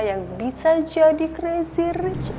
yang bisa jadi crazy rich